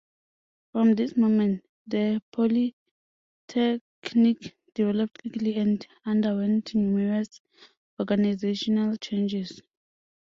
From this moment, the polytechnic developed quickly and underwent numerous organisational changes.